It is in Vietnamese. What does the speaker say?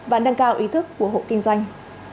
và nâng cao ý thức của hộ kinh doanh